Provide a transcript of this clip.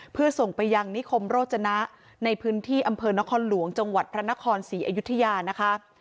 เพื่อส่งไปยังนิคมโรจนะในพื้นที่อำเภอนครหลวงจังหวัดพระนครศรีอยุธยานะคะ